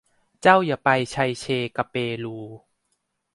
เจ้าอย่าไปไชเชกะเปลู